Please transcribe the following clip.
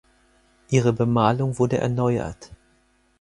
Ihre Bemalung wurde erneuert.